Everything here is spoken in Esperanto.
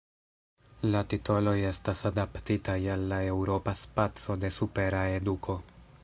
La titoloj estas adaptitaj al la Eŭropa Spaco de Supera Eduko.